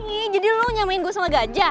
ih jadi lo nyamain gue sama gajah